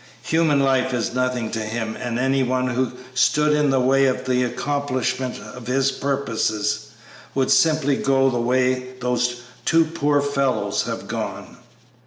Human life is nothing to him, and any one who stood in the way of the accomplishment of his purposes would simply go the way those two poor fellows have gone."